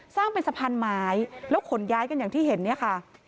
สร้างเป็นสะพานไม้แล้วขนย้ายกันอย่างที่เห็นเนี่ยค่ะ